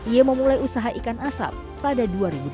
ia memulai usaha ikan asap pada dua ribu delapan belas